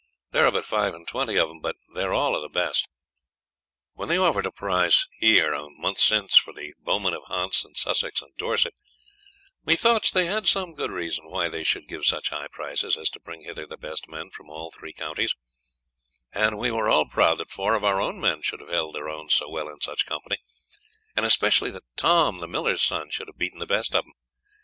There are but five and twenty of them, but they are all of the best. When they offered prizes here a month since for the bowmen of Hants and Sussex and Dorset, methought they had some good reason why they should give such high prizes as to bring hither the best men from all three counties, and we were all proud that four of our own men should have held their own so well in such company, and especially that Tom, the miller's son, should have beaten the best of them.